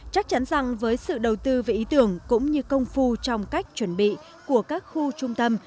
chắc chắn rằng với sự đầu tư về ý tưởng cũng như công phu trong cách chuẩn bị của các khu trung tâm